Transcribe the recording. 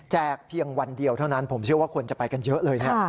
เพียงวันเดียวเท่านั้นผมเชื่อว่าคนจะไปกันเยอะเลยเนี่ย